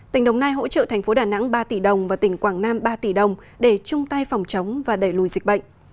tỉnh đồng nai hỗ trợ thành phố đà nẵng ba tỷ đồng và tỉnh quảng nam ba tỷ đồng để chung tay phòng chống và đẩy lùi dịch bệnh